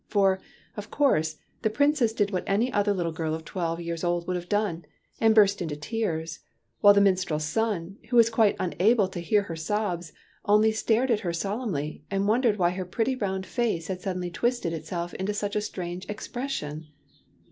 For, of course, the Prin cess did what any other little girl of twelve years old would have done, and burst into tears ; while the minstrel's son, who was quite unable to hear her sobs, only stared at her solemnly, and wondered why her pretty round face had suddenly twisted itself into such a strange expression.